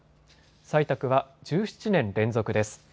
採択は１７年連続です。